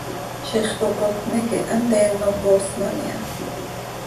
Ziix cöcocotni quih hanteeno coosnan iha.